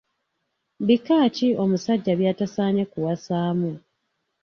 Bika ki omusajja by’atasanye kuwasaamu?.